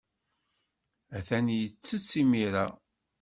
Atan yettett imir-a.